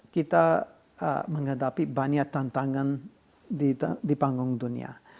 kita menghadapi banyak tantangan di panggung dunia